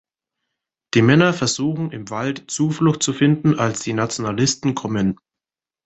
Die Männer versuchen, im Wald Zuflucht zu finden, als die Nationalisten kommen.